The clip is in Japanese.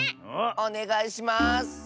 おねがいします！